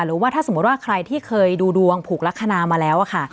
หรือว่าถ้าสมมุติว่าใครที่เคยดูดวงผูกลักษณะมาแล้วค่ะ